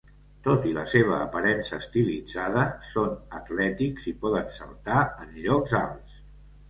Tot i la seva aparença estilitzada, són atlètics i poden saltar en llocs alts.